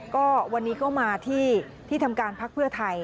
ก็วันนี้ก็มาที่ที่ทำการพักเพื่อไทย